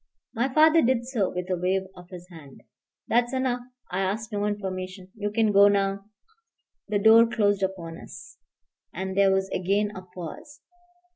My father did so with a wave of his hand. "That's enough. I asked no information. You can go now." The door closed upon us, and there was again a pause.